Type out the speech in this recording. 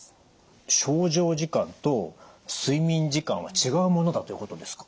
床上時間と睡眠時間は違うものだということですか？